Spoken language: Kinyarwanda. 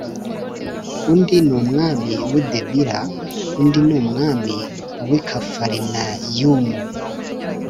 undi ni umwami w i Debira undi ni umwami w ikafarinayumu